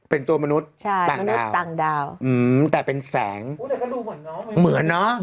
เป็นตัวมนุษย์ต่างดาวแต่เป็นแสงเหมือนเนอะ